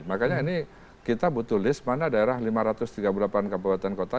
makanya ini kita butuh list mana daerah lima ratus tiga puluh delapan kabupaten kota